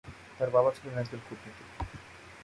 তার বাবা ছিলেন একজন কূটনীতিক।